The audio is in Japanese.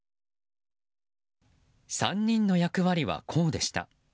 ３人の役割は、こうでした。